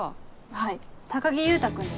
はい高木優太君です。